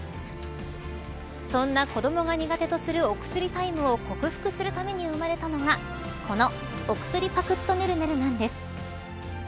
そんな、子どもが苦手とするお薬タイムを克服するために生まれたのがこのおくすりパクッとねるねるなんです。